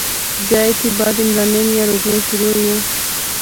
بیاہے تھی بعد عمرانے نیاں روٹیاں شروع ہوئیاں